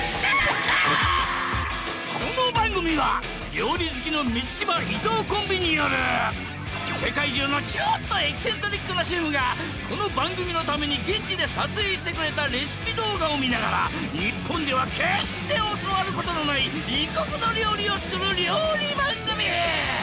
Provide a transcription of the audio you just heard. この番組は料理好きの満島・伊藤コンビによる世界中のちょっとエキセントリックなシェフがこの番組のために現地で撮影してくれたレシピ動画を見ながら日本では決して教わることのない異国の料理を作る料理番組